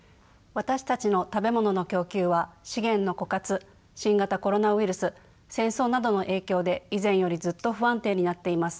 私たちの食べ物の供給は資源の枯渇新型コロナウイルス戦争などの影響で以前よりずっと不安定になっています。